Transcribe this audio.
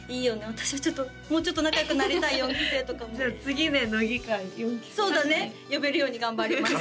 私はちょっともうちょっと仲良くなりたい４期生とかもじゃあ次ね乃木回４期生そうだね呼べるように頑張ります